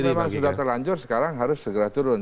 kalau memang sudah terlanjur sekarang harus segera turun